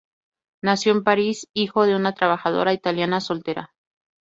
Nació en París, hijo de una trabajadora italiana soltera.